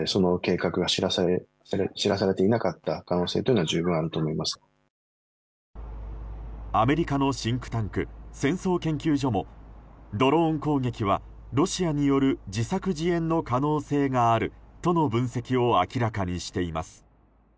この点については。アメリカのシンクタンク戦争研究所もドローン攻撃は、ロシアによる自作自演の可能性があるとの分析を明らかにしています。